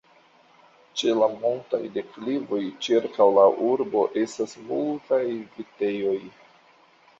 Ĉe la montaj deklivoj ĉirkaŭ la urbo estas multaj vitejoj.